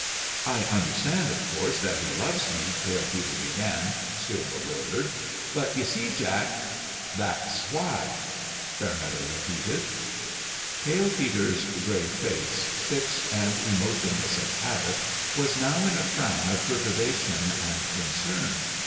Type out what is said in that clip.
" I understand, of course, that he loves me," Pale Peter began, still bewildered ;" but, you see, Jack " 130 PALE PETER'S DONALD " That's why," Fairmeadow repeated. Pale Peter's gray face, fixed and emotionless of habit, was now in a frown of perturbation and concern.